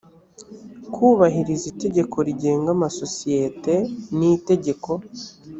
kubahiriza itegeko rigenga amasosiyete nitegeko.